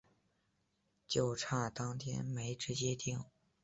就差当天没直接订